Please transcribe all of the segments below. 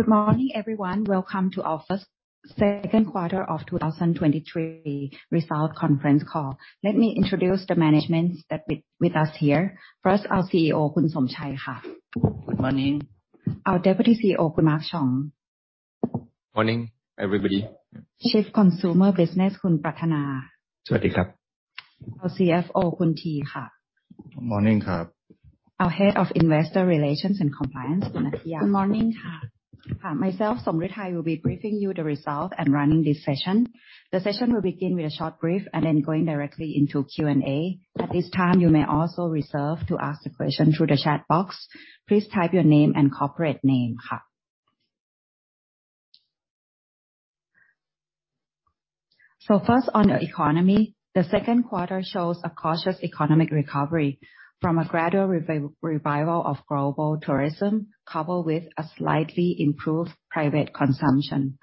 Good morning, everyone. Welcome to our first second quarter of 2023 result conference call. Let me introduce the management that with us here. First, our CEO, Kun Somchai Ka. Good morning. Our Deputy CEO, Kun Mark Chong. Morning, everybody. Chief Consumer Business, Pratthana Leelapanang. Uncertain Our CFO, Somruetai Tantakittianan Good morning, Ka. Our Head of Investor Relations and Compliance, Kun Tee. Good morning, Ka. Ka, myself, Somruetai, will be briefing you the results and running this session. The session will begin with a short brief and then going directly into Q&A. At this time, you may also reserve to ask the question through the chat box. Please type your name and corporate name, Ka. First, on the economy, the second quarter shows a cautious economic recovery from a gradual revival of global tourism, coupled with a slightly improved private consumption,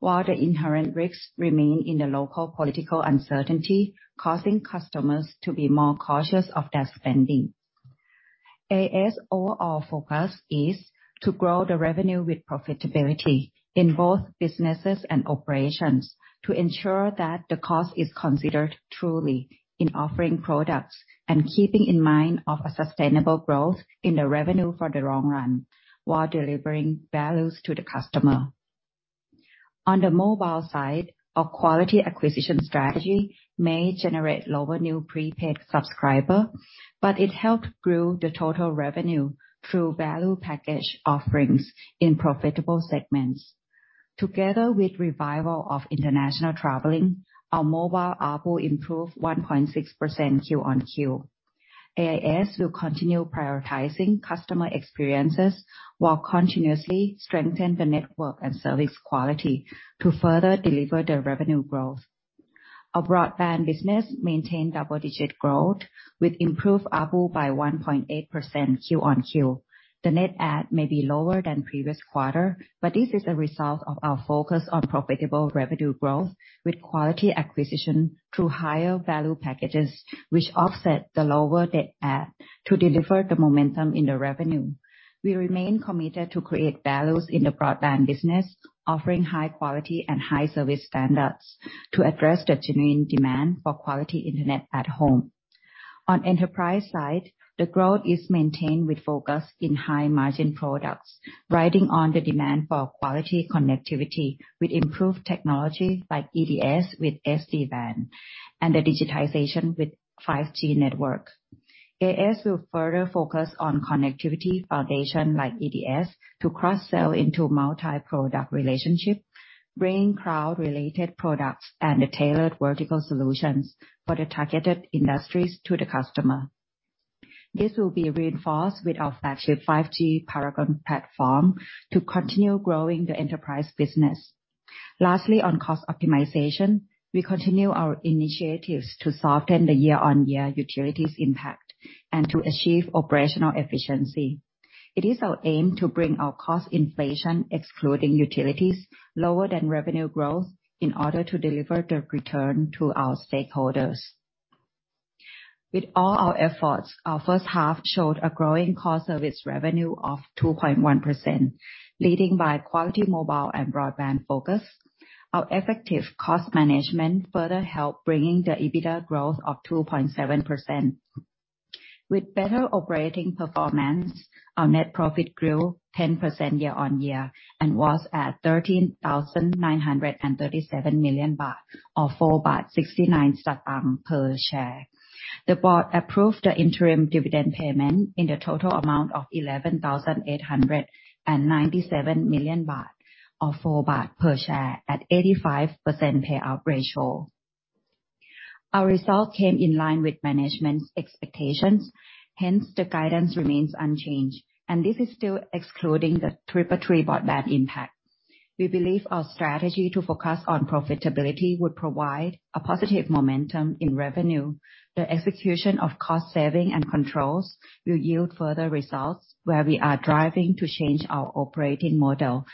while the inherent risks remain in the local political uncertainty, causing customers to be more cautious of their spending. AIS overall focus is to grow the revenue with profitability in both businesses and operations, to ensure that the cost is considered truly in offering products, and keeping in mind of a sustainable growth in the revenue for the long run, while delivering values to the customer. On the mobile side, our quality acquisition strategy may generate lower new prepaid subscriber, but it helped grow the total revenue through value package offerings in profitable segments. Together with revival of international traveling, our mobile ARPU improved 1.6% Q-on-Q. AIS will continue prioritizing customer experiences while continuously strengthen the network and service quality to further deliver the revenue growth. Our broadband business maintained double-digit growth, with improved ARPU by 1.8% Q-on-Q. The net add may be lower than previous quarter, but this is a result of our focus on profitable revenue growth with quality acquisition through higher value packages, which offset the lower net add to deliver the momentum in the revenue. We remain committed to create values in the broadband business, offering high quality and high service standards to address the genuine demand for quality internet at home. On enterprise side, the growth is maintained with focus in high-margin products, riding on the demand for quality connectivity with improved technology like EDS with SD-WAN and the digitization with 5G networks. AIS will further focus on connectivity foundation like EDS to cross-sell into multi-product relationship, bringing cloud-related products and the tailored vertical solutions for the targeted industries to the customer. This will be reinforced with our flagship AIS 5G PARAGON platform to continue growing the enterprise business. Lastly, on cost optimization, we continue our initiatives to soften the year-on-year utilities impact and to achieve operational efficiency. It is our aim to bring our cost inflation, excluding utilities, lower than revenue growth in order to deliver the return to our stakeholders. With all our efforts, our first half showed a growing core service revenue of 2.1%, leading by quality mobile and broadband focus. Our effective cost management further helped bringing the EBITDA growth of 2.7%. With better operating performance, our net profit grew 10% year-on-year and was at 13,937 million baht, or 4.69 baht per share. The board approved the interim dividend payment in the total amount of 11,897 million baht, or 4 baht per share, at 85% payout ratio. Our result came in line with management's expectations, hence the guidance remains unchanged, and this is still excluding the Triple T Broadband impact. We believe our strategy to focus on profitability would provide a positive momentum in revenue. The execution of cost saving and controls will yield further results, where we are driving to change our operating model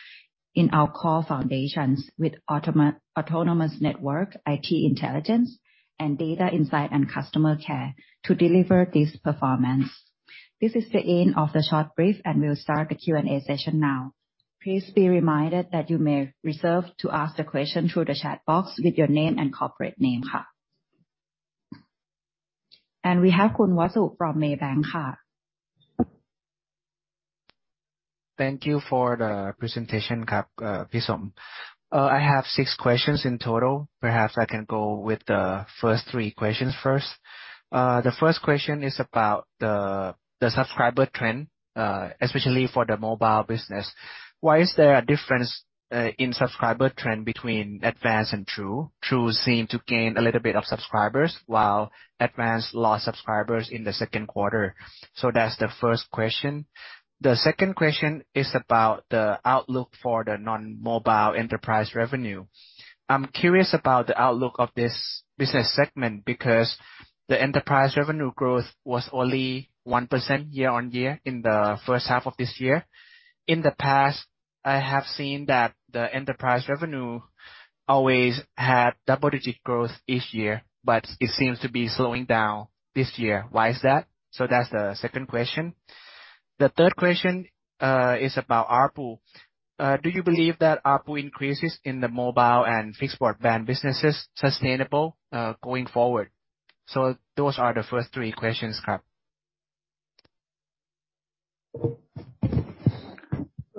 in our core foundations with autonomous network, IT intelligence, and data insight and customer care to deliver this performance. This is the end of the short brief, and we'll start the Q&A session now. Please be reminded that you may reserve to ask the question through the chat box with your name and corporate name, Ka. We have Kun Wasu from Maybank, Ka. Thank you for the presentation, Ka, Pisom. I have 6 questions in total. Perhaps I can go with the first 3 questions first. The first question is about the, the subscriber trend, especially for the mobile business. Why is there a difference in subscriber trend between Advance and True? True seem to gain a little bit of subscribers, while Advance lost subscribers in the second quarter. That's the first question. The second question is about the outlook for the non-mobile enterprise revenue. I'm curious about the outlook of this business segment because the enterprise revenue growth was only 1% year-on-year in the first half of this year. In the past, I have seen that the enterprise revenue always had double-digit growth each year, but it seems to be slowing down this year. Why is that? That's the second question. The third question is about ARPU. Do you believe that ARPU increases in the mobile and fixed broadband business is sustainable going forward? Those are the first three questions, Kap.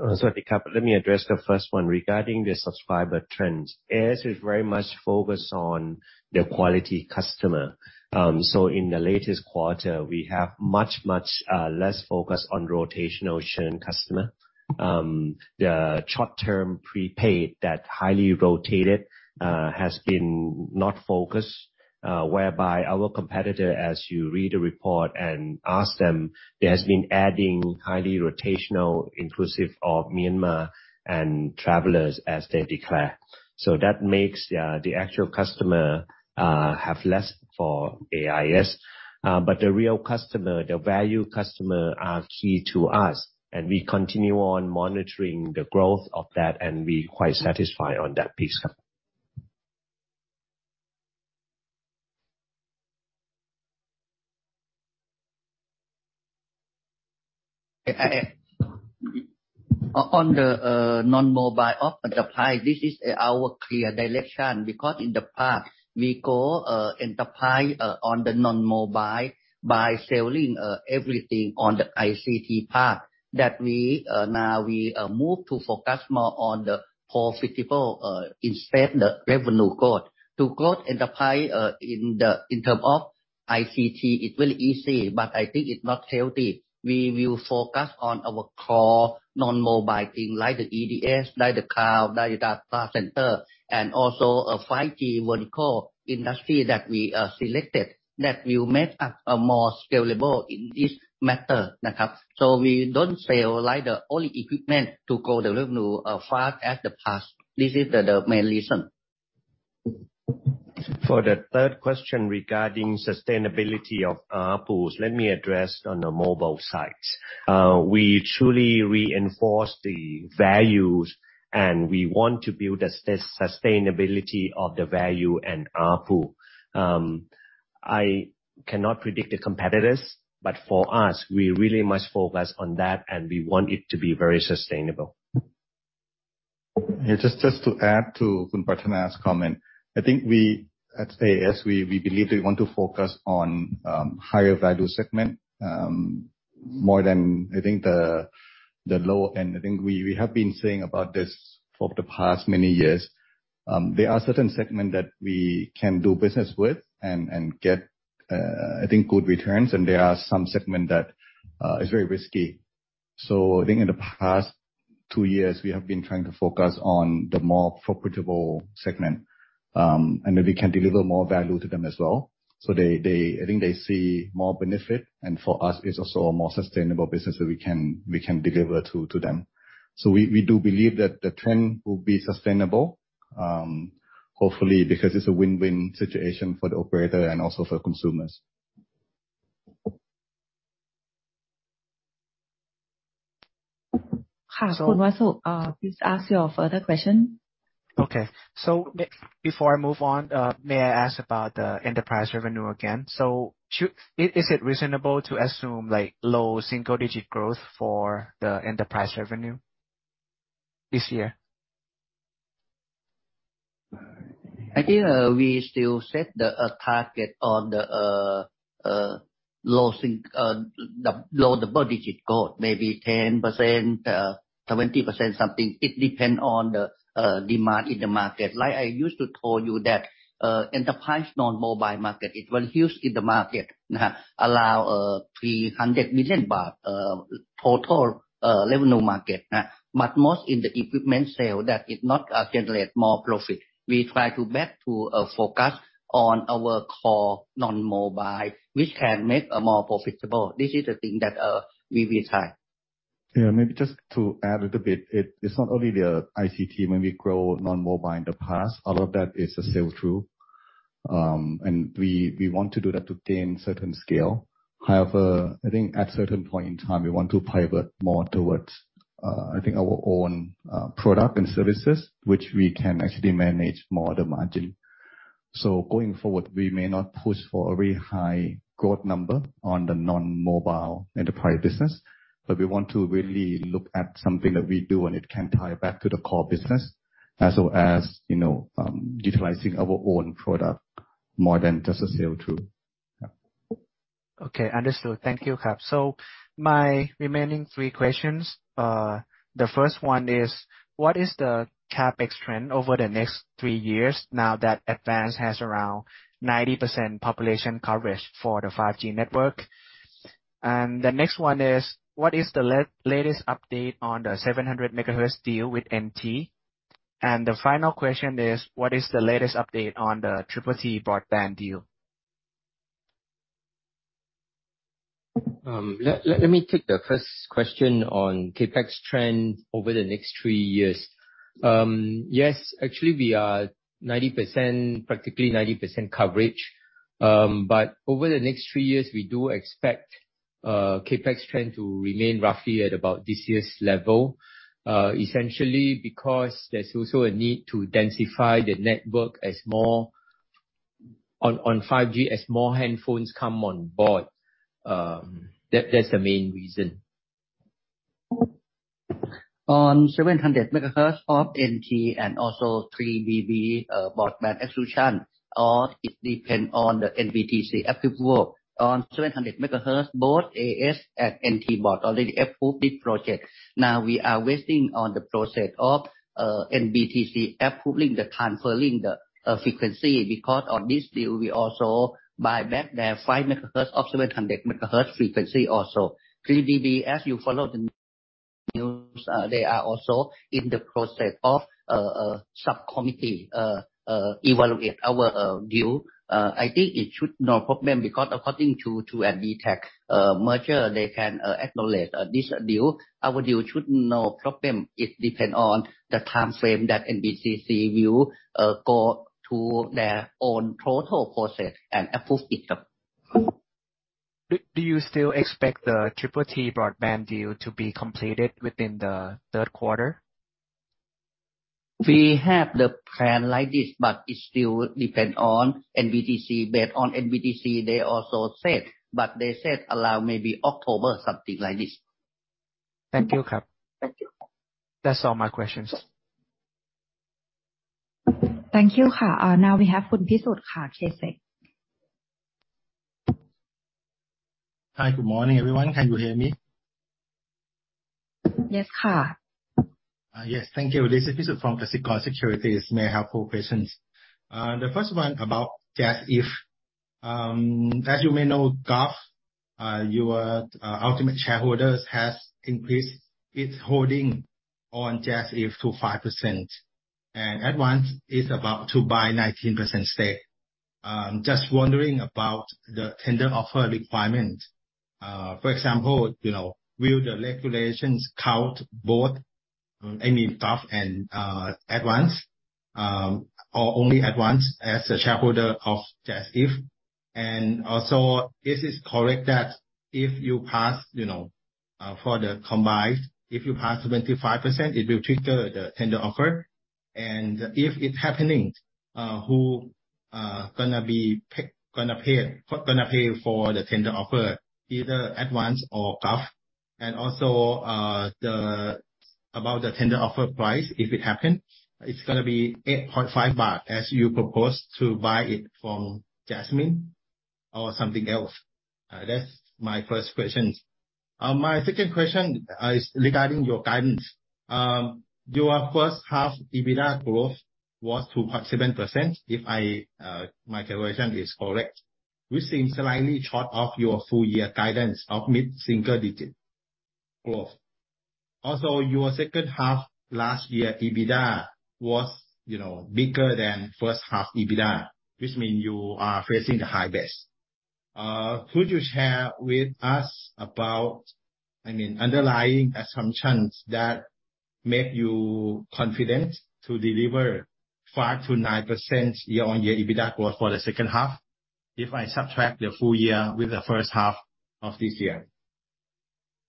Let me address the first one. Regarding the subscriber trends, AIS is very much focused on the quality customer. In the latest quarter, we have much, much less focus on rotational churn customer. The short-term prepaid that highly rotated, has been not focused, whereby our competitor, as you read the report and ask them, they has been adding highly rotational, inclusive of Myanmar and travelers, as they declare. That makes the actual customer, have less for AIS. The real customer, the value customer, are key to us, and we continue on monitoring the growth of that, and we quite satisfied on that piece, Kap. I On the non-mobile of enterprise, this is our clear direction, because in the past, we go enterprise on the non-mobile by selling everything on the ICT path, that we now we move to focus more on the profitable instead the revenue growth. To grow enterprise in the in term of ICT, it's very easy, but I think it's not healthy. We will focus on our core non-mobile thing, like the EDS, like the cloud, like data center, and also a 5G vertical industry that we selected, that will make us more scalable in this matter, nakup. We don't sell, like, the only equipment to grow the revenue fast as the past. This is the main reason. For the third question regarding sustainability of ARPUs, let me address on the mobile side. We truly reinforce the values, and we want to build a sustainability of the value and ARPU. I cannot predict the competitors, but for us, we really must focus on that, and we want it to be very sustainable. Yeah, just, just to add to Khun Pratthana's comment. I think we, at AIS, we, we believe that we want to focus on higher value segment, more than I think the low end. I think we, we have been saying about this for the past many years. There are certain segment that we can do business with and get, I think, good returns, and there are some segment that is very risky. I think in the past 2 years, we have been trying to focus on the more profitable segment, and that we can deliver more value to them as well. They, they, I think they see more benefit, and for us, it's also a more sustainable business that we can, we can deliver to, to them. We, we do believe that the trend will be sustainable, hopefully, because it's a win-win situation for the operator and also for consumers. Hello, please ask your further question. Okay. Before I move on, may I ask about the enterprise revenue again? Is, is it reasonable to assume, like, low single-digit growth for the enterprise revenue this year? I think we still set the target on the low double-digit growth, maybe 10%, 20%, something. It depend on the demand in the market. Like I used to tell you that enterprise non-mobile market, it was huge in the market. Allow 300 million baht total revenue market, but most in the equipment sale, that did not generate more profit. We try to back to focus on our core non-mobile, which can make more profitable. This is the thing that we will try. Yeah, maybe just to add a little bit, it, it's not only the ICT when we grow non-mobile in the past. A lot of that is a sale through. We, we want to do that to gain certain scale. However, I think at certain point in time, we want to pivot more towards, I think, our own product and services, which we can actually manage more the margin. Going forward, we may not push for a very high growth number on the non-mobile enterprise business, but we want to really look at something that we do, and it can tie back to the core business, as well as, you know, utilizing our own product more than just a sale through. Yeah. Okay, understood. Thank you, Kap. My remaining three questions, the first one is: What is the CapEx trend over the next three years now that Advanced has around 90% population coverage for the 5G network? The next one is: What is the latest update on the 700 MHz deal with NT? The final question is: What is the latest update on the Triple Play Broadband deal? Let, let, let me take the first question on CapEx trend over the next 3 years. Yes, actually, we are 90%, practically 90% coverage. But over the next 3 years, we do expect CapEx trend to remain roughly at about this year's level, essentially because there's also a need to densify the network as more-... on, on 5G as more hand phones come on board. That, that's the main reason. On 700 MHz of NT and also 3BB, broadband exclusion, or it depend on the NBTC approval. On 700 MHz, both AIS and NT board already approved this project. Now we are waiting on the process of NBTC approving the transferring the frequency, because on this deal, we also buy back their 5 MHz of 700 MHz frequency also. 3BB, as you follow the news, they are also in the process of a subcommittee evaluate our deal. I think it should no problem because according to, to NBTC, merger, they can acknowledge this deal. Our deal should no problem. It depend on the time frame that NBTC will, go to their own total process and approve it up. Do, do you still expect the Triple T Broadband deal to be completed within the third quarter? We have the plan like this, but it still depend on NBTC. Based on NBTC, they also said, but they said allow maybe October, something like this. Thank you, kap. Thank you. That's all my questions. Thank you, ka. Now we have Pisut Poonsanong. Hi, good morning, everyone. Can you hear me? Yes, ka. Yes, thank you. This is Pisut from Kasikorn Securities. May I have four questions? The first one about JASIF. As you may know, Gulf, your ultimate shareholder, has increased its holding on JASIF to 5%, and Advanced is about to buy 19% stake. Just wondering about the tender offer requirement. For example, you know, will the regulations count both, I mean, Gulf and Advanced, or only Advanced as a shareholder of JASIF? Also, is it correct that if you pass, you know, for the combined, if you pass 25%, it will trigger the tender offer? If it's happening, who gonna pay, gonna pay for the tender offer, either Advanced or Gulf? About the tender offer price, if it happen, it's gonna be 8.5 baht, as you propose to buy it from Jasmine or something else? That's my first question. My second question is regarding your guidance. Your first half EBITDA growth was 2.7%, if I my conversion is correct, which seems slightly short of your full year guidance of mid-single digit growth. Your second half last year, EBITDA was, you know, bigger than first half EBITDA, which mean you are facing the high base. Could you share with us about, I mean, underlying assumptions that make you confident to deliver 5%-9% year-on-year EBITDA growth for the second half, if I subtract the full year with the first half of this year?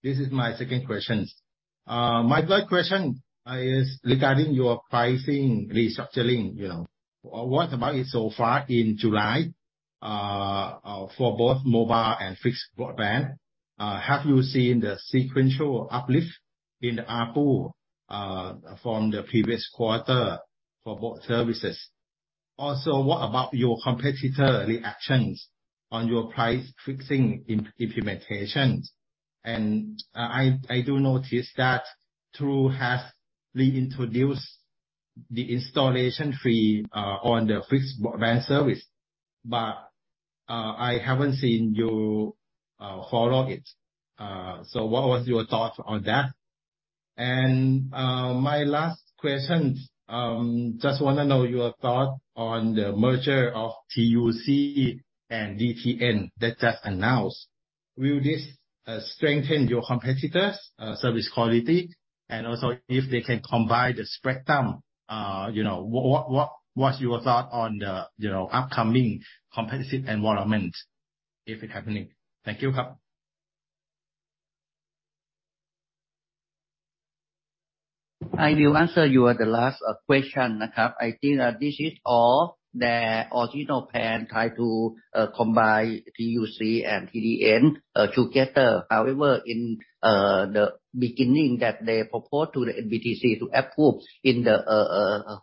This is my second question. My third question is regarding your pricing restructuring, you know. What about it so far in July for both mobile and fixed broadband? Have you seen the sequential uplift in the ARPU from the previous quarter for both services? What about your competitor reactions on your price fixing implementations? I do notice that True has reintroduced the installation fee on the fixed broadband service, but I haven't seen you follow it. What was your thoughts on that? My last question, just wanna know your thought on the merger of TUC and DTN that just announced. Will this strengthen your competitors, service quality? If they can combine the spectrum, you know, what's your thought on the, you know, upcoming competitive environment, if it happening? Thank you, kap. I will answer you the last question, nakup. I think that this is all the original plan, try to combine TUC and TDN together. However, in the beginning that they proposed to the NBTC to approve in the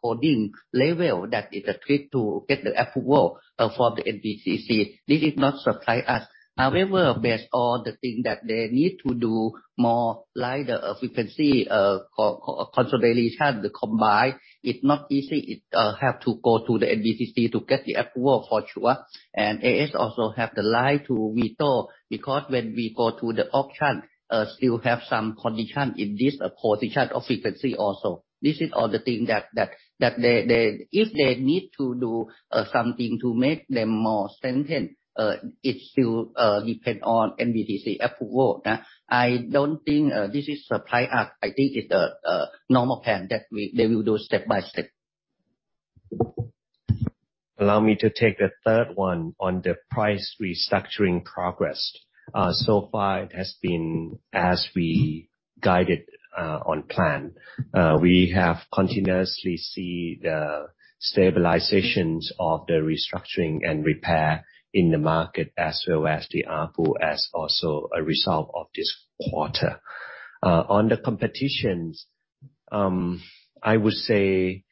holding level, that is a treat to get the approval from the NBTC. This is not surprise us. However, based on the thing that they need to do more, like the frequency consolidation, the combine, it's not easy. It have to go to the NBTC to get the approval for sure. And AIS also have the right to veto, because when we go to the auction, still have some condition in this position of frequency also. This is all the thing that, that, that they, they. If they need to do something to make them more strengthened, it still depend on NBTC approval, na. I don't think this is surprise us. I think it's a normal plan that they will do step by step. Allow me to take the third one on the price restructuring progress. So far it has been as we guided on plan. We have continuously see the stabilizations of the restructuring and repair in the market, as well as the ARPU, as also a result of this quarter. On the competitions, I would say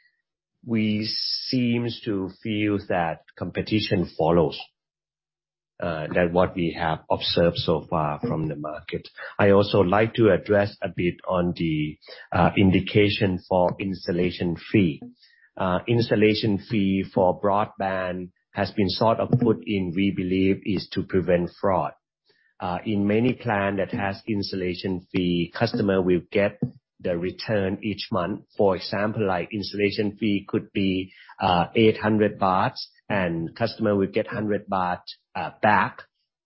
we seems to feel that competition follows than what we have observed so far from the market. I also like to address a bit on the indication for installation fee. Installation fee for broadband has been sort of put in, we believe, is to prevent fraud. In many plan that has installation fee, customer will get the return each month. For example, like installation fee could be 800 baht, and customer will get 100 baht back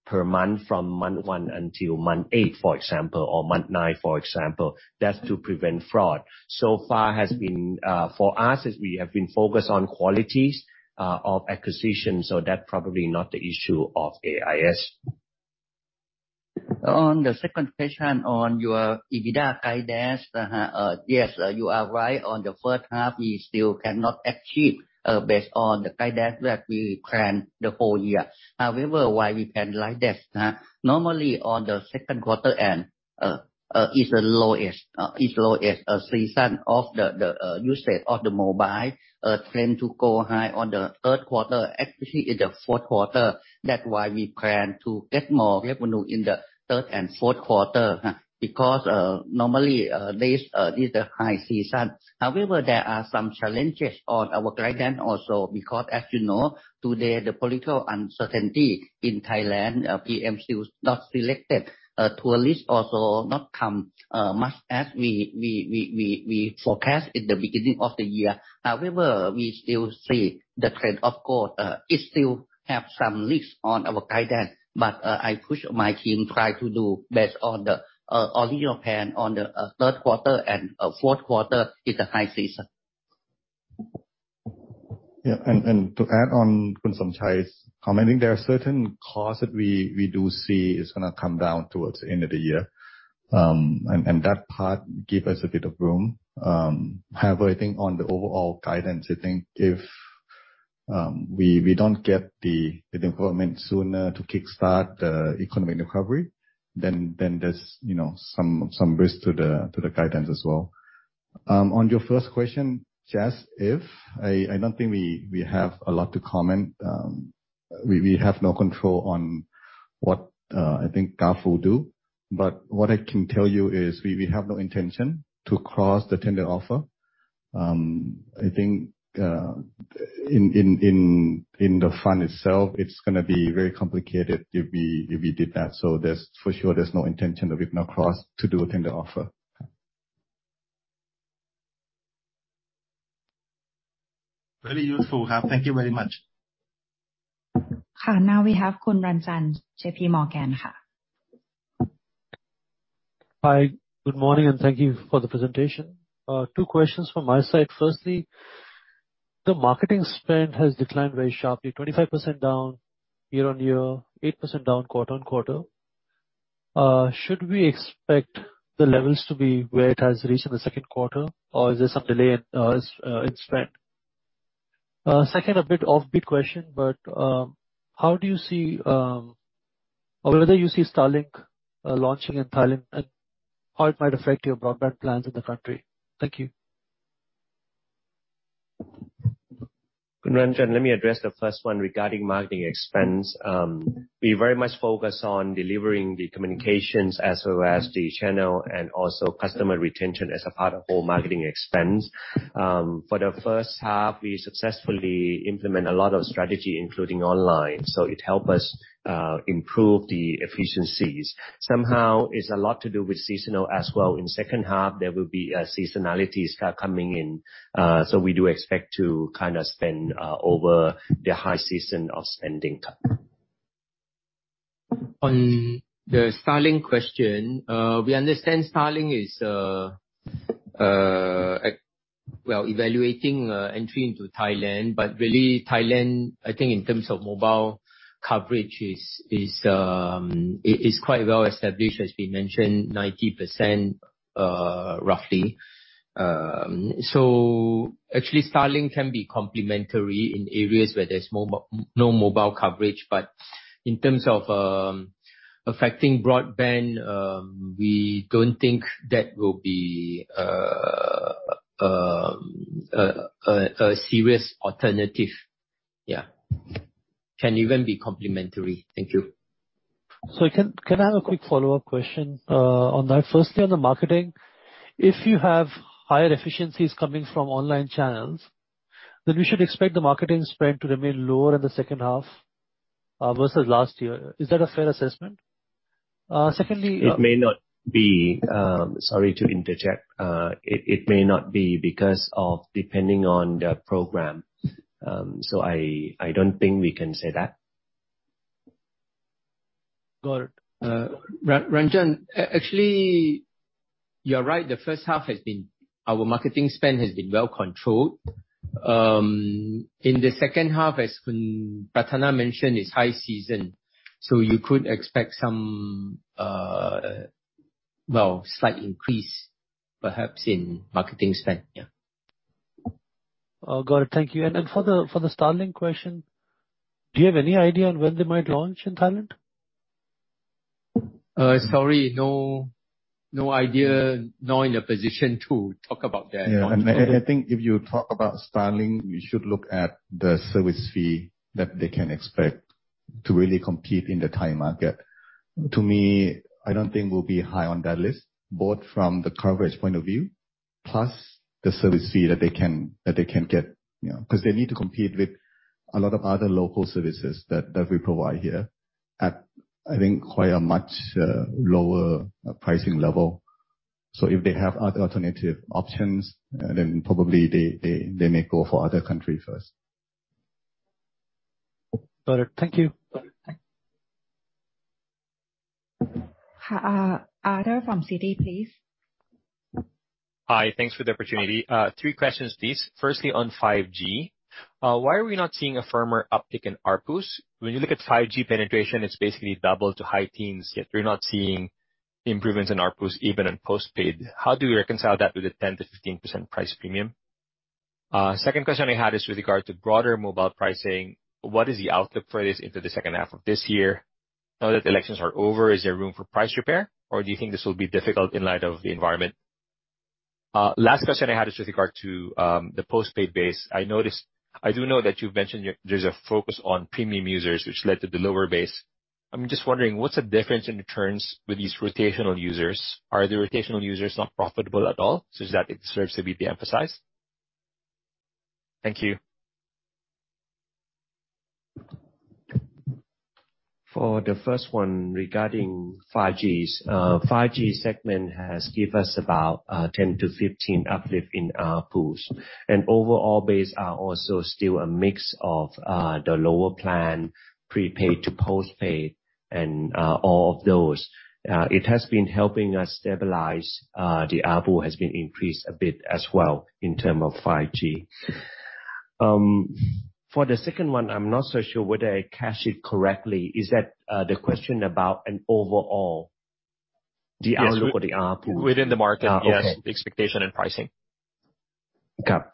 per month from month 1 until month 8, for example, or month 9, for example. That's to prevent fraud. So far has been for us, as we have been focused on qualities of acquisition, so that's probably not the issue of AIS. On the second question, on your EBITDA guidance, yes, you are right. On the first half, we still cannot achieve based on the guidance that we plan the whole year. However, why we plan like that, normally on the second quarter and is the lowest, is lowest season of the usage of the mobile, trend to go high on the third quarter, actually in the fourth quarter. That's why we plan to get more revenue in the third and fourth quarter, because normally, this is the high season. However, there are some challenges on our guidance also, because as you know, today, the political uncertainty in Thailand, PM still not selected. Tourist also not come much as we forecast in the beginning of the year. However, we still see the trend, of course, it still have some risks on our guidance, but, I push my team try to do best on the original plan on the third quarter and, fourth quarter is the high season. Yeah, to add on Somchai's comment, I think there are certain costs that we, we do see is going to come down towards the end of the year. That part give us a bit of room. However, I think on the overall guidance, I think if we, we don't get the, the government sooner to kickstart the economic recovery, then, then there's, you know, some, some risk to the, to the guidance as well. On your first question, Jess, if I, I don't think we, we have a lot to comment. We, we have no control on what I think GF will do, but what I can tell you is we, we have no intention to cross the tender offer. I think, in, in, in, in the fund itself, it's going to be very complicated if we, if we did that. There's, for sure, there's no intention of it, no cross to do a tender offer. Very useful. Thank you very much. Now we have Ranjan Sharma, J.P. Morgan. Hi, good morning, thank you for the presentation. Two questions from my side. Firstly, the marketing spend has declined very sharply, 25% down year-on-year, 8% down quarter-on-quarter. Should we expect the levels to be where it has reached in the second quarter, or is there some delay in spend? Second, a bit off-beat question, but how do you see... Or whether you see Starlink launching in Thailand, and how it might affect your broadband plans in the country? Thank you. Ranjan, let me address the first one regarding marketing expense. We very much focus on delivering the communications as well as the channel and also customer retention as a part of whole marketing expense. For the first half, we successfully implement a lot of strategy, including online, so it help us improve the efficiencies. Somehow, it's a lot to do with seasonal as well. In second half, there will be a seasonality start coming in, so we do expect to kind of spend over the high season of spending. On the Starlink question, we understand Starlink is, well, evaluating entry into Thailand. But really, Thailand, I think in terms of mobile coverage, is, is, is, is quite well established. As we mentioned, 90%, roughly. actually, Starlink can be complementary in areas where there's no mobile coverage. In terms of affecting broadband, we don't think that will be a serious alternative. Yeah. Can even be complementary. Thank you. Can, can I have a quick follow-up question on that? Firstly, on the marketing, if you have higher efficiencies coming from online channels, then we should expect the marketing spend to remain lower in the second half versus last year. Is that a fair assessment? Secondly- It may not be... Sorry to interject. It, it may not be, because of depending on the program. I, I don't think we can say that. Got it. Ranjan, actually, you're right. The first half has been, our marketing spend has been well controlled. In the second half, as Pratana mentioned, it's high season, so you could expect some, well, slight increase, perhaps, in marketing spend. Yeah. Oh, got it. Thank you. Then for the, for the Starlink question, do you have any idea on when they might launch in Thailand? Sorry, no, no idea. Not in a position to talk about that. Yeah, I think if you talk about Starlink, you should look at the service fee that they can expect to really compete in the Thai market. To me, I don't think we'll be high on that list, both from the coverage point of view, plus the service fee that they can, that they can get, you know. Because they need to compete with a lot of other local services that, that we provide here at, I think, quite a much lower pricing level. If they have other alternative options, then probably they, they, they may go for other country first. Got it. Thank you. Arthur from Citi, please. Hi, thanks for the opportunity. 3 questions, please. Firstly, on 5G, why are we not seeing a firmer uptick in ARPUs? When you look at 5G penetration, it's basically double to high teens, yet you're not seeing improvements in ARPUs, even in postpaid. How do you reconcile that with a 10%-15% price premium? Second question I had is with regard to broader mobile pricing. What is the outlook for this into the 2nd half of this year? Now that the elections are over, is there room for price repair, or do you think this will be difficult in light of the environment? Last question I had is with regard to, the postpaid base. I noticed... I do know that you've mentioned there's a focus on premium users, which led to the lower base. I'm just wondering, what's the difference in the terms with these rotational users? Are the rotational users not profitable at all, such that it deserves to be emphasized? Thank you. For the first one, regarding 5G. 5G segment has give us about 10-15 uplift in ARPUs. Overall base are also still a mix of the lower plan, prepaid to postpaid, and all of those. It has been helping us stabilize. The ARPU has been increased a bit as well in term of 5G. For the second one, I'm not so sure whether I catch it correctly. Is that the question about an overall, the outlook for the ARPUs? Within the market. Oh, okay. Yes, expectation and pricing. Okay.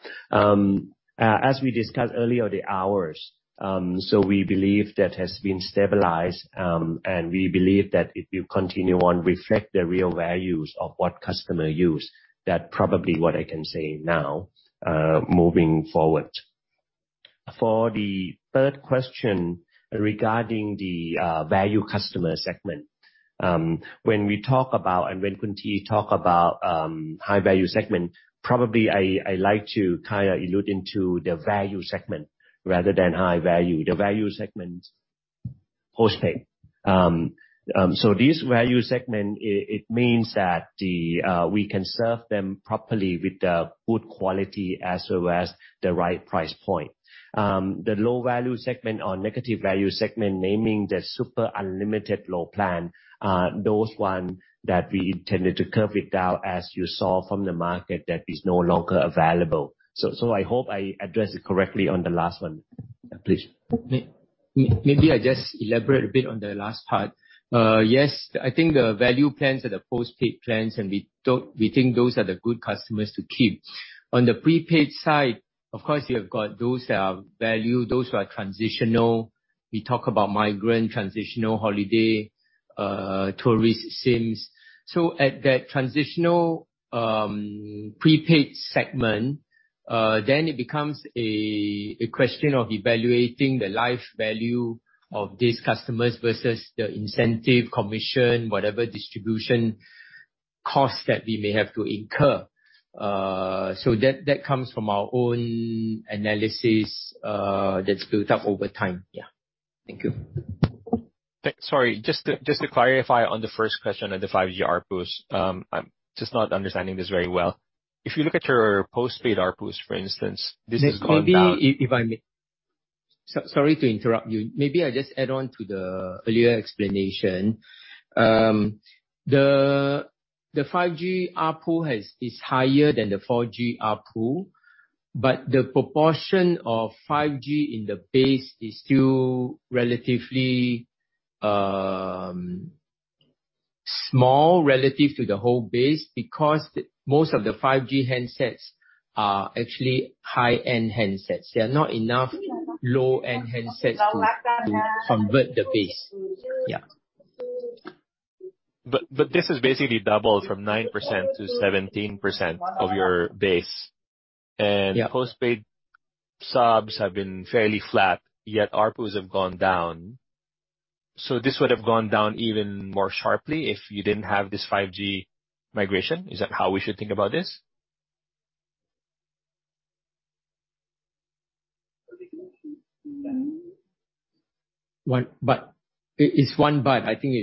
As we discussed earlier, the hours, we believe that has been stabilized, and we believe that it will continue on, reflect the real values of what customer use. That probably what I can say now, moving forward. For the third question, regarding the value customer segment. When we talk about, and when Kunthi talk about high value segment, probably I, I like to kind of allude into the value segment rather than high value. The value segment, postpaid. This value segment, it, it means that we can serve them properly with the good quality as well as the right price point. The low value segment or negative value segment, naming the super unlimited low plan, those one that we intended to curve it down, as you saw from the market, that is no longer available. I hope I addressed it correctly on the last one. Please. Maybe I just elaborate a bit on the last part. Yes, I think the value plans are the postpaid plans, and we think those are the good customers to keep. On the prepaid side, of course, you have got those that are value, those who are transitional. We talk about migrant, transitional, holiday, tourist SIMs. At that transitional, prepaid segment, then it becomes a question of evaluating the life value of these customers versus the incentive, commission, whatever distribution costs that we may have to incur. That, that comes from our own analysis, that's built up over time. Yeah. Thank you. Sorry, just to, just to clarify on the first question on the 5G ARPUs. I'm just not understanding this very well. If you look at your postpaid ARPUs, for instance, this has gone down- Maybe if, if I may. Sorry to interrupt you. Maybe I just add on to the earlier explanation. The 5G ARPU has, is higher than the 4G ARPU. The proportion of 5G in the base is still relatively small relative to the whole base, because most of the 5G handsets are actually high-end handsets. They are not enough low-end handsets to, to convert the base. Yeah. but this is basically doubled from 9% to 17% of your base. Yeah. Postpaid subs have been fairly flat, yet ARPUs have gone down. This would have gone down even more sharply if you didn't have this 5G migration. Is that how we should think about this? It is one, but I think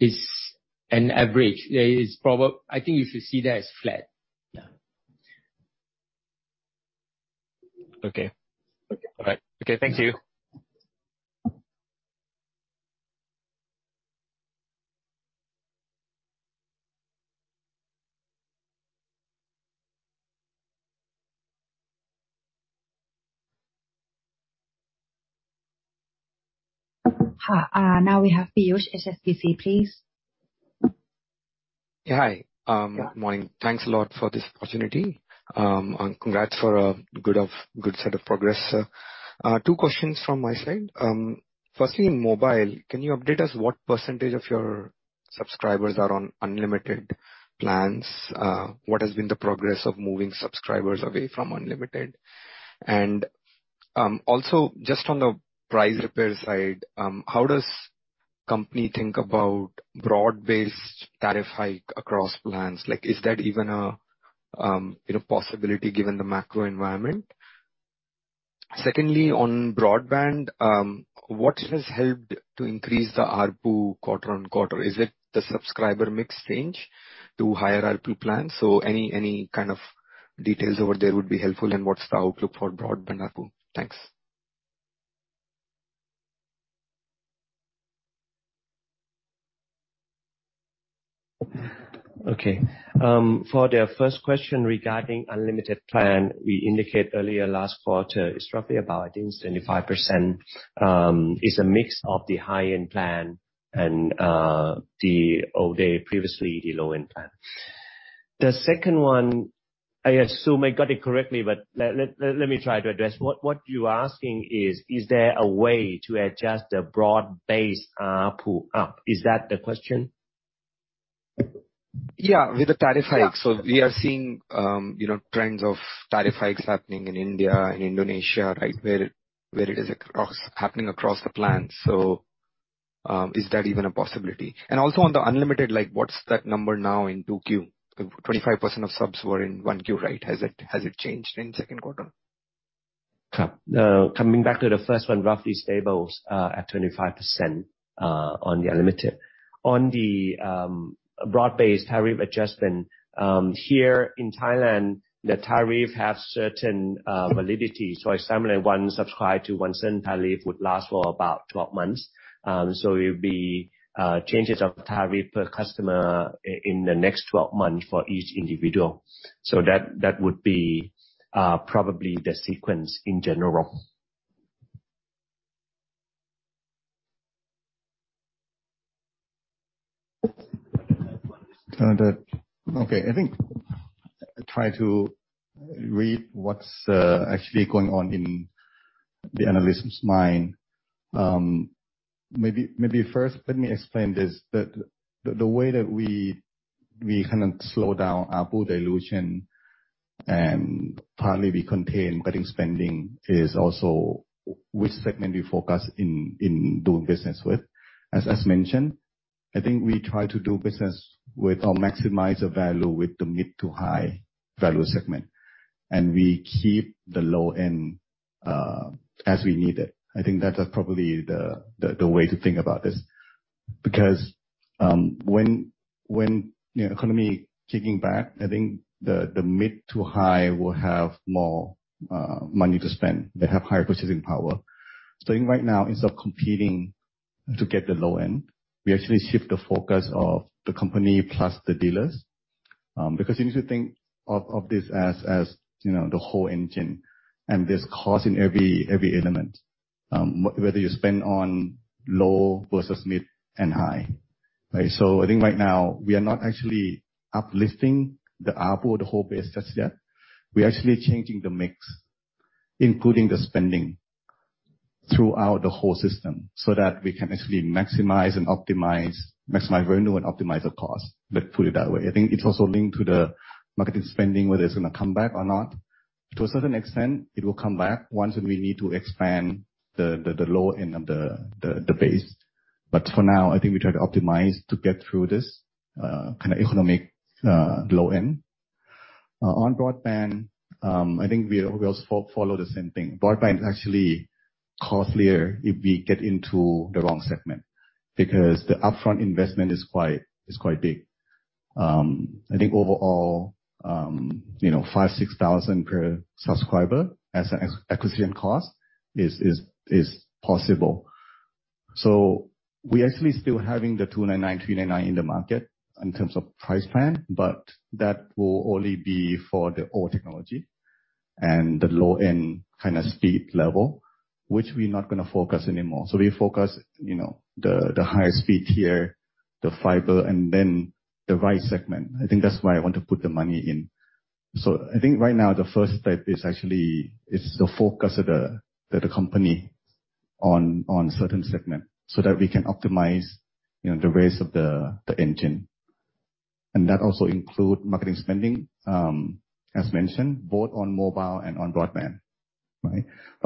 it's, it's, it's an average. There is I think you should see that as flat. Yeah. Okay. Okay. All right. Okay, thank you. Hi, now we have Piyush Choudhray, HSBC, please. Yeah. Hi. Good morning. Thanks a lot for this opportunity, and congrats for a good of, good set of progress. 2 questions from my side. Firstly, mobile, can you update us what percentage of your subscribers are on unlimited plans? What has been the progress of moving subscribers away from unlimited? Also, just on the price repair side, how does company think about broad-based tariff hike across plans? Like, is that even a, you know, possibility given the macro environment? Secondly, on broadband, what has helped to increase the ARPU quarter-on-quarter? Is it the subscriber mix change to higher ARPU plans? Any, any kind of details over there would be helpful, and what's the outlook for broadband ARPU? Thanks. Okay. For the first question regarding unlimited plan, we indicate earlier last quarter, it's roughly about, I think, 75%. It's a mix of the high-end plan and the old day, previously, the low-end plan. The second one, I assume I got it correctly, but let me try to address. What you are asking is, is there a way to adjust the broad-based ARPU up? Is that the question? Yeah. With the tariff hike. Yeah. We are seeing, you know, trends of tariff hikes happening in India and Indonesia, right, where, where it is across, happening across the plan. Is that even a possibility? On the unlimited, like, what's that number now in 2Q? 25% of subs were in 1Q, right? Has it, has it changed in second quarter? Coming back to the first one, roughly stable at 25% on the unlimited. On the broad-based tariff adjustment, here in Thailand, the tariff has certain validity. If someone, 1 subscribe to 1 cent, tariff would last for about 12 months. It would be changes of tariff per customer in the next 12 months for each individual. That would be probably the sequence in general. Okay. I think try to read what's actually going on in the analyst's mind. Maybe, maybe first, let me explain this, that the way that we kind of slow down ARPU dilution, partly we contain cutting spending, is also which segment we focus in, in doing business with. As mentioned, I think we try to do business with or maximize the value with the mid to high value segment, we keep the low end as we need it. I think that's probably the way to think about this. When, when, you know, economy kicking back, I think the mid to high will have more money to spend. They have higher purchasing power. I think right now, instead of competing to get the low end, we actually shift the focus of the company plus the dealers. Because you need to think of, of this as, as, you know, the whole engine, and there's cost in every, every element, whether you spend on low versus mid and high, right? I think right now we are not actually uplifting the ARPU or the whole base just yet. We're actually changing the mix, including the spending, throughout the whole system, so that we can actually maximize and optimize, maximize revenue and optimize the cost. Let's put it that way. I think it's also linked to the marketing spending, whether it's going to come back or not. To a certain extent, it will come back once we need to expand the, the, the low end of the, the, the base. For now, I think we try to optimize to get through this kind of economic low end. On broadband, I think we, we also follow the same thing. Broadband is actually costlier if we get into the wrong segment, because the upfront investment is quite, is quite big. I think overall, you know, 5,000-6,000 per subscriber as an acquisition cost is, is, is possible. We actually still having the 299, 399 in the market in terms of price plan, but that will only be for the old technology and the low-end kind of speed level, which we're not going to focus anymore. We focus, you know, the, the higher speed tier, the fiber, and then the right segment. I think that's where I want to put the money in. I think right now, the first step is actually, is the focus of the, the company on, on certain segment, so that we can optimize, you know, the race of the, the engine. That also include marketing spending, as mentioned, both on mobile and on broadband, right?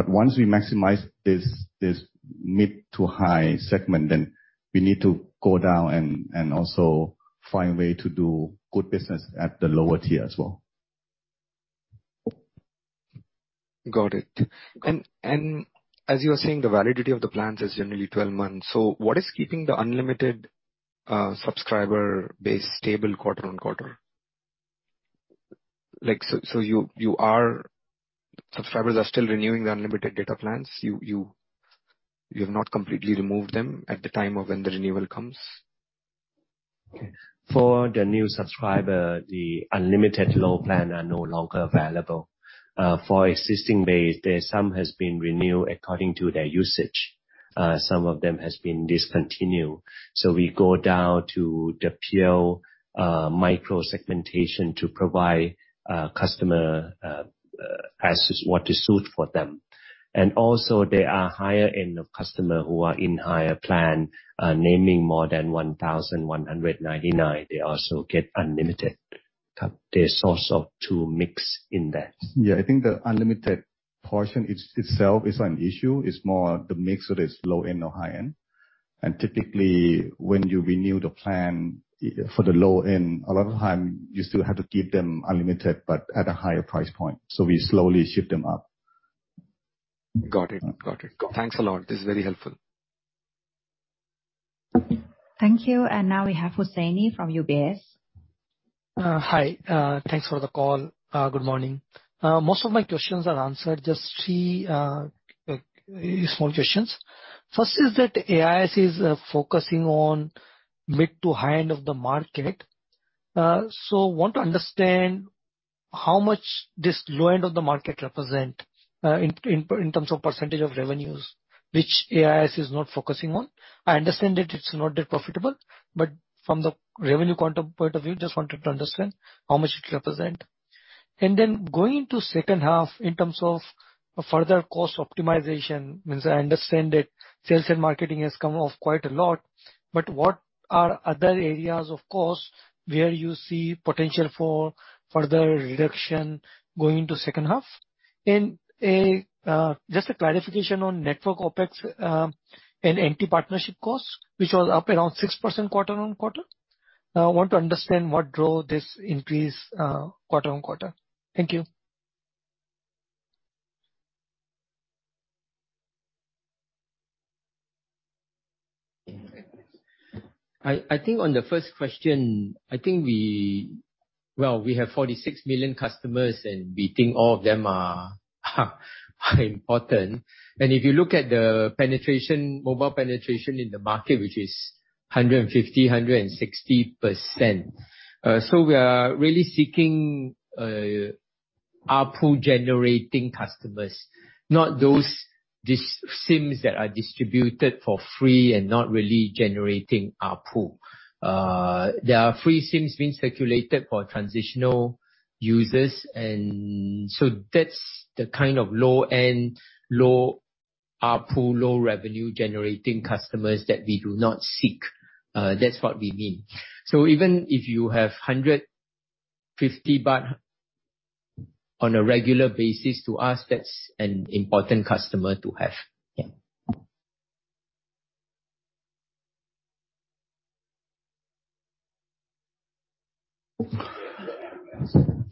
Once we maximize this, this mid to high segment, then we need to go down and, and also find a way to do good business at the lower tier as well. Got it. As you were saying, the validity of the plans is generally 12 months, so what is keeping the unlimited subscriber base stable quarter on quarter? So, you, subscribers are still renewing the unlimited data plans? You, you, you have not completely removed them at the time of when the renewal comes? For the new subscriber, the unlimited low plan are no longer available. For existing base, there some has been renewed according to their usage. Some of them has been discontinued. We go down to the pure micro-segmentation to provide customer as is what is suit for them. Also there are higher end of customer who are in higher plan, naming more than 1,199, they also get unlimited. There's also two mix in that. Yeah, I think the unlimited portion itself is not an issue. It's more the mix, whether it's low end or high end. Typically, when you renew the plan for the low end, a lot of time you still have to keep them unlimited, but at a higher price point. We slowly shift them up. Got it. Got it. Thanks a lot. This is very helpful. Thank you. Now we have Husnain from UBS. Hi. Thanks for the call. Good morning. Most of my questions are answered. Just 3 small questions. First is that AIS is focusing on mid to high end of the market. Want to understand how much this low end of the market represent in terms of % of revenues, which AIS is not focusing on. I understand that it's not that profitable, but from the revenue point of view, just wanted to understand how much it represent. Then going to second half in terms of further cost optimization, means I understand that sales and marketing has come off quite a lot, but what are other areas, of course, where you see potential for further reduction going into second half? Just a clarification on network OpEx and NT partnership costs, which was up around 6% quarter-on-quarter. Want to understand what drove this increase quarter-on-quarter. Thank you. Well, we have 46 million customers, we think all of them are important. If you look at the penetration, mobile penetration in the market, which is 150-160%, we are really seeking ARPU-generating customers, not those SIMs that are distributed for free and not really generating ARPU. There are free SIMs being circulated for transitional users, that's the kind of low-end, low-ARPU, low-revenue-generating customers that we do not seek. That's what we mean. Even if you have 150 baht on a regular basis, to us, that's an important customer to have.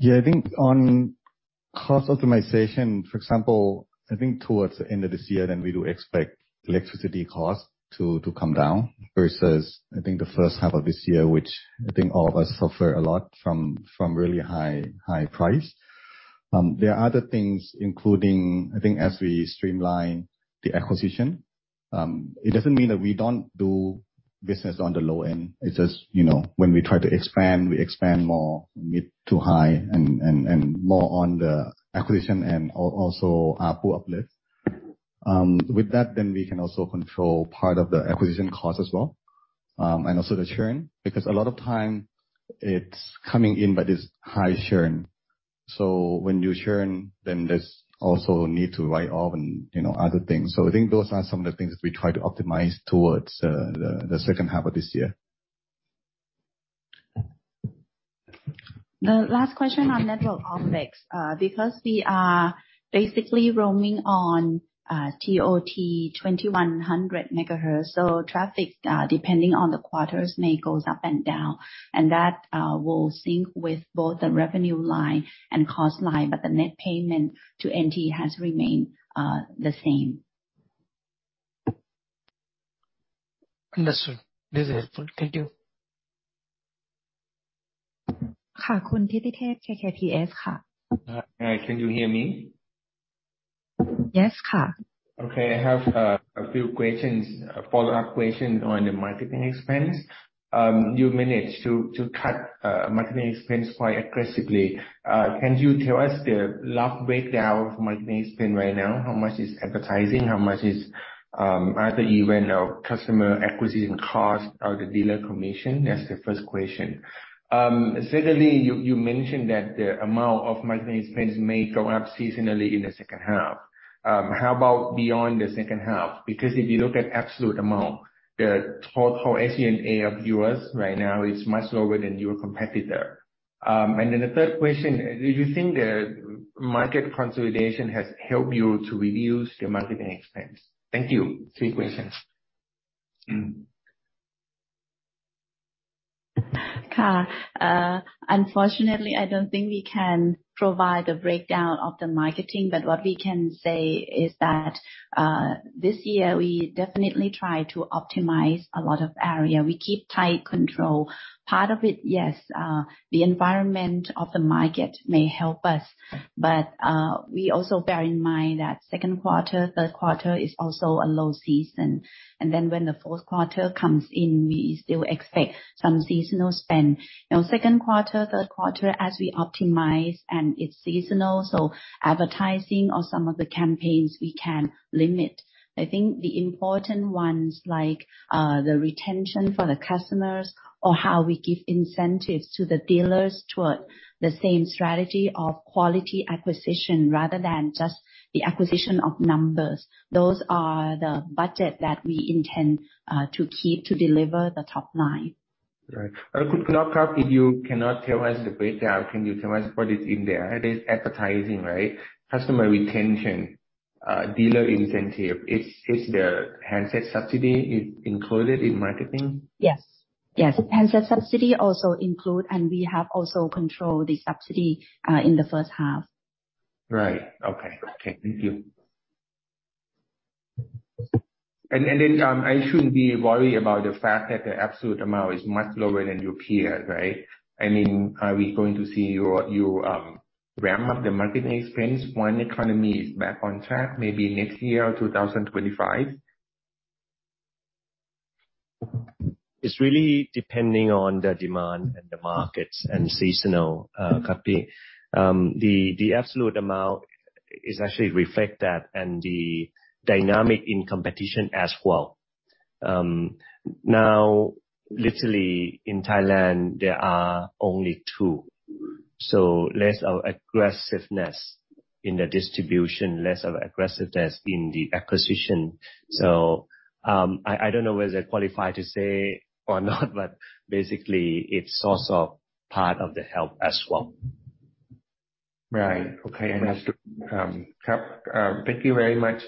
Yeah. I think on cost optimization, for example, I think towards the end of this year, then we do expect electricity costs to come down, versus, I think, the first half of this year, which I think all of us suffer a lot from really high, high price. There are other things, including, I think, as we streamline the acquisition, it doesn't mean that we don't do business on the low end. It's just, you know, when we try to expand, we expand more mid to high and more on the acquisition and also ARPU uplift. With that, then we can also control part of the acquisition cost as well, and also the churn, because a lot of time it's coming in, but it's high churn. When you churn, then there's also need to write off and, you know, other things. I think those are some of the things that we try to optimize towards the second half of this year. The last question on network OpEx. Because we are basically roaming on TOT 2100 MHz, so traffic depending on the quarters, may goes up and down, and that will sync with both the revenue line and cost line, but the net payment to NT has remained the same. Understood. This is helpful. Thank you. Hi, can you hear me? Yes, Okay. I have a few questions, follow-up question on the marketing expense. You managed to cut marketing expense quite aggressively. Can you tell us the rough breakdown of marketing expense right now? How much is advertising? How much is either event or customer acquisition costs or the dealer commission? That's the first question. Secondly, you mentioned that the amount of marketing expense may go up seasonally in the second half. How about beyond the second half? If you look at absolute amount, the total SG&A of yours right now is much lower than your competitor. The third question, do you think the market consolidation has helped you to reduce the marketing expense? Thank you. Three questions. unfortunately, I don't think we can provide the breakdown of the marketing, but what we can say is that this year, we definitely try to optimize a lot of area. We keep tight control. Part of it, yes, the environment of the market may help us, but we also bear in mind that second quarter, third quarter is also a low season. When the fourth quarter comes in, we still expect some seasonal spend. Second quarter, third quarter, as we optimize and it's seasonal, so advertising or some of the campaigns we can limit. I think the important ones, like, the retention for the customers or how we give incentives to the dealers toward the same strategy of quality acquisition rather than just the acquisition of numbers, those are the budget that we intend to keep to deliver the top line. Right. could block up, if you cannot tell us the breakdown, can you tell us what is in there? It is advertising, right? Customer retention, dealer incentive. Is the handset subsidy included in marketing? Yes. Yes, handset subsidy also include, and we have also controlled the subsidy, in the first half. Right. Okay. Okay, thank you. Then, I shouldn't be worried about the fact that the absolute amount is much lower than your peer, right? I mean, are we going to see you ramp up the marketing expense when the economy is back on track, maybe next year, 2025? It's really depending on the demand and the markets and seasonal copy. The, the absolute amount is actually reflect that and the dynamic in competition as well. Now, literally in Thailand, there are only two, so less of aggressiveness in the distribution, less of aggressiveness in the acquisition. I, I don't know whether they're qualified to say or not, but basically, it's also part of the help as well. Right. Okay, that's true. Kap, thank you very much.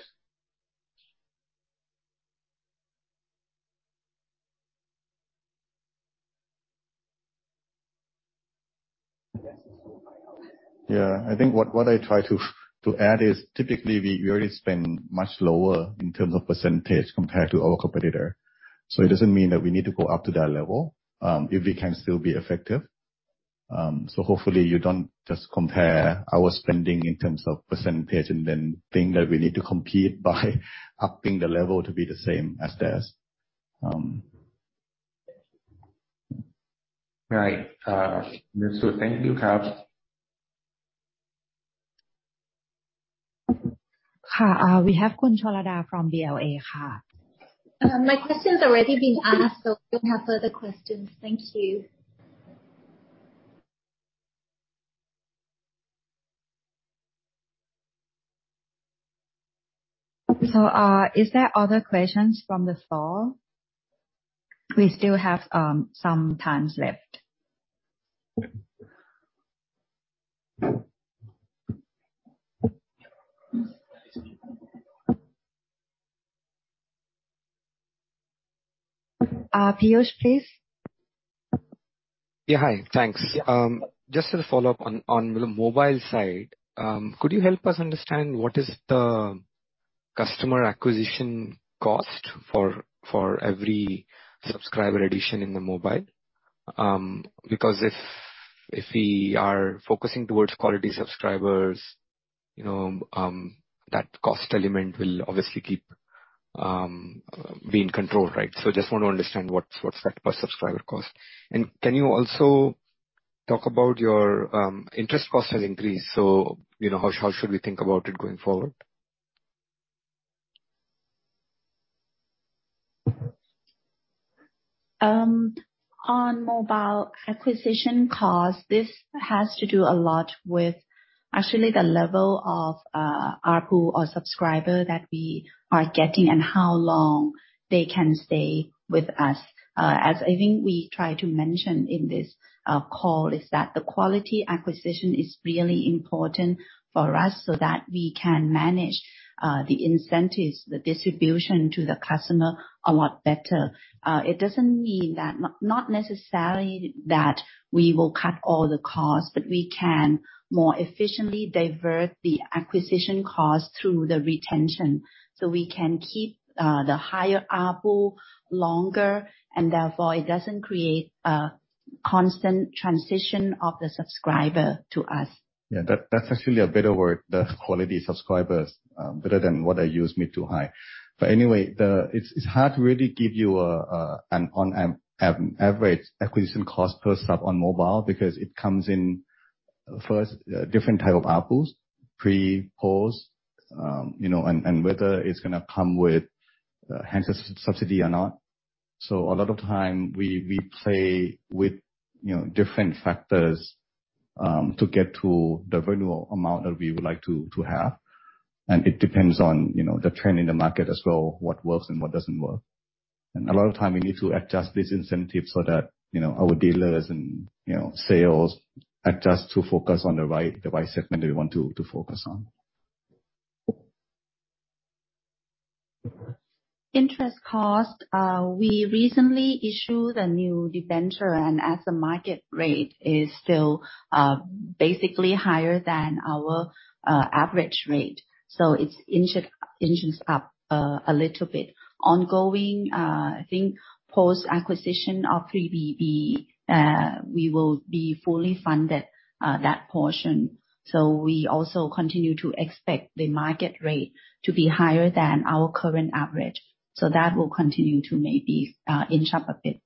Yeah, I think what, what I try to, to add is, typically we already spend much lower in terms of percentage compared to our competitor, so it doesn't mean that we need to go up to that level, if we can still be effective. Hopefully you don't just compare our spending in terms of percentage and then think that we need to compete by upping the level to be the same as theirs. Right. Thank you, Kap. Hi, we have Thapana from Daiwa, Ka. My question's already been asked, so I don't have further questions. Thank you. Is there other questions from the floor? We still have some times left. Piyush, please. Yeah, hi. Thanks. Just as a follow-up on, on the mobile side, could you help us understand what is the customer acquisition cost for, for every subscriber addition in the mobile? Because if, if we are focusing towards quality subscribers, you know, that cost element will obviously keep be in control, right? Just want to understand what's, what's that per subscriber cost. Can you also talk about your interest cost has increased, so, you know, how, how should we think about it going forward? On mobile acquisition costs, this has to do a lot with actually the level of ARPU or subscriber that we are getting and how long they can stay with us. As I think we try to mention in this call, is that the quality acquisition is really important for us so that we can manage the incentives, the distribution to the customer a lot better. It doesn't mean that... Not necessarily that we will cut all the costs, but we can more efficiently divert the acquisition costs through the retention, so we can keep the higher ARPU longer, and therefore it doesn't create a constant transition of the subscriber to us. Yeah, that, that's actually a better word, the quality subscribers, better than what I use, mid to high. Anyway, it's, it's hard to really give you an average acquisition cost per sub on mobile, because it comes in first, different type of ARPUs, pre, post, you know, and, and whether it's going to come with, handset subsidy or not. A lot of time we, we play with, you know, different factors, to get to the renewal amount that we would like to, to have. It depends on, you know, the trend in the market as well, what works and what doesn't work. A lot of time, we need to adjust this incentive so that, you know, our dealers and, you know, sales adjust to focus on the right, the right segment that we want to, to focus on.... Interest cost, we recently issued a new debenture, and as the market rate is still basically higher than our average rate, so it's inched, inches up a little bit. Ongoing, I think post-acquisition of 3BB, we will be fully funded that portion. We also continue to expect the market rate to be higher than our current average, so that will continue to maybe inch up a bit.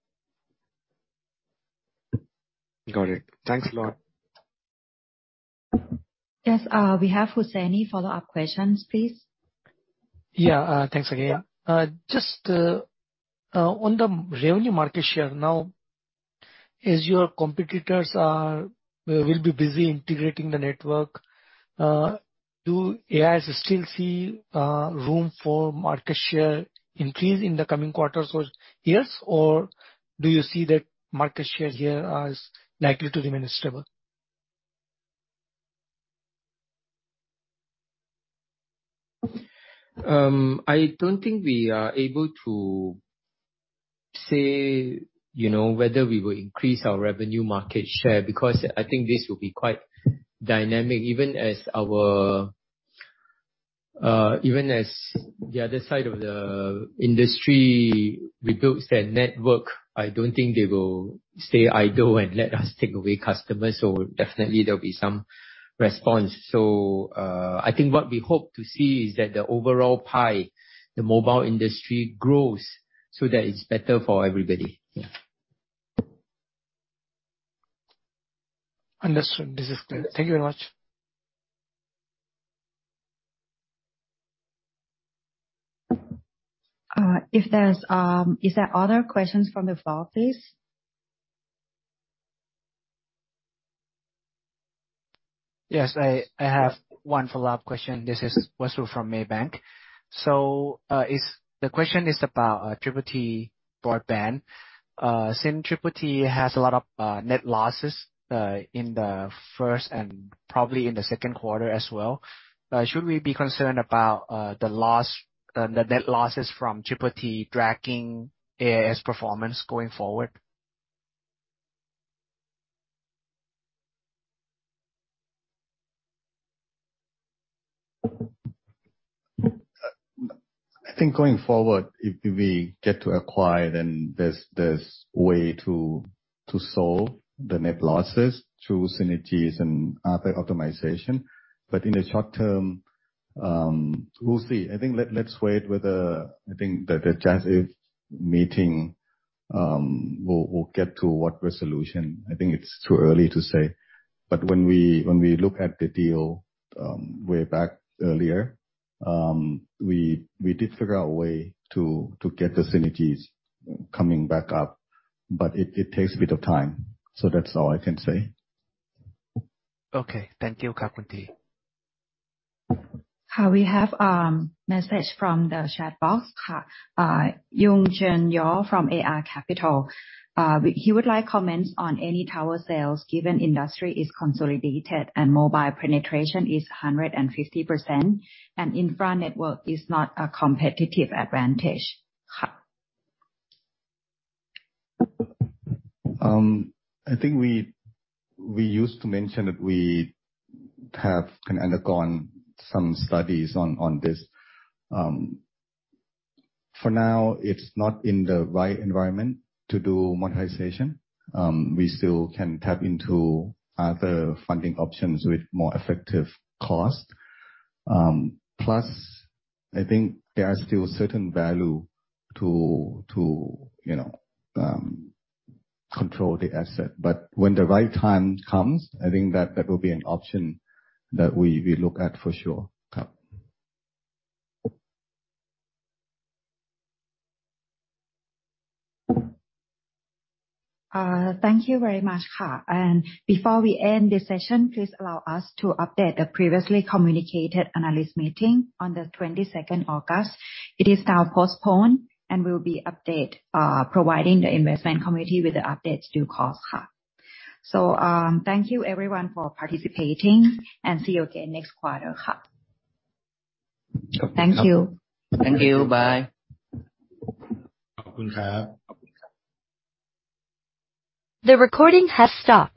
Got it. Thanks a lot. Yes, we have Hussaini follow-up questions, please. Yeah, thanks again. Just on the revenue market share, now, as your competitors will be busy integrating the network, do AIS still see room for market share increase in the coming quarters yes? Do you see that market share here as likely to remain stable? I don't think we are able to say, you know, whether we will increase our revenue market share, because I think this will be quite dynamic. Even as our... Even as the other side of the industry rebuilds their network, I don't think they will stay idle and let us take away customers. Definitely there'll be some response. I think what we hope to see is that the overall pie, the mobile industry, grows so that it's better for everybody. Yeah. Understood. This is clear. Thank you very much. if there's, Is there other questions from the floor, please? Yes, I, I have 1 follow-up question. This is Wasu from Maybank. The question is about Triple T Broadband. Since Triple T has a lot of net losses in the first and probably in the second quarter as well, should we be concerned about the loss, the, the net losses from Triple T dragging AIS performance going forward? I think going forward, if, if we get to acquire, then there's, there's way to, to solve the net losses through synergies and other optimization. In the short term, we'll see. I think let, let's wait with the, I think, the, the judge if meeting, will, will get to what resolution. I think it's too early to say. When we, when we look at the deal, way back earlier, we, we did figure out a way to, to get the synergies coming back up, but it, it takes a bit of time. That's all I can say. Okay. Thank you, Khun Tee. We have message from the chat box, Wong Chen Yao from Areca Capital. He would like comments on any tower sales, given industry is consolidated and mobile penetration is 150%, and infra network is not a competitive advantage. I think we, we used to mention that we have kind of undergone some studies on, on this. For now, it's not in the right environment to do monetization. We still can tap into other funding options with more effective cost. Plus, I think there are still certain value to, to, you know, control the asset. When the right time comes, I think that that will be an option that we, we look at for sure. CapEx. Thank you very much, Ka. Before we end this session, please allow us to update the previously communicated analyst meeting on the 22nd August. It is now postponed and will be update, providing the investment committee with the updates due course, Ka. Thank you everyone for participating, and see you again next quarter, Ka. Thank you. Thank you. Bye. Thank you, Ka. Thank you, Ka. The recording has stopped.